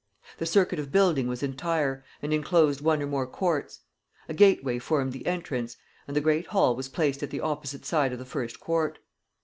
The circuit of building was entire, and enclosed one or more courts; a gateway formed the entrance, and the great hall was placed at the opposite side of the first court.